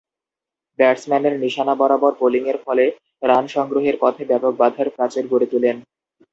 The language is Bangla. ব্যাটসম্যানের নিশানা বরাবর বোলিংয়ের ফলে রান সংগ্রহের পথে ব্যাপক বাধার প্রাচীর গড়ে তুলেন।